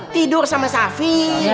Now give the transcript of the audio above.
tidur sama safi